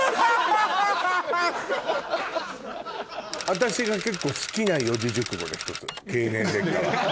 私が結構好きな四字熟語の一つ「経年劣化」は。